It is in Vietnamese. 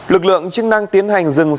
lực lượng chức năng tiến hành dừng sát